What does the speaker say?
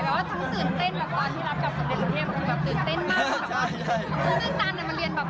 แต่ว่าจะตื่นเต้นแบบตอนที่รับกราบสำเร็จโรงเทพฯตื่นเต้นมาก